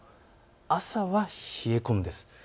朝は冷え込むんです。